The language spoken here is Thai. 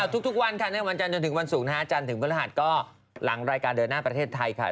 ทุกวันค่ะในวันจันทร์ถึงวันศุกร์นะฮะจันทร์ถึงพฤหัสก็หลังรายการเดินหน้าประเทศไทยค่ะ